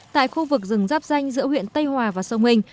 tại khu vực rừng rắp ranh giữa huyện tây hòa và sông hình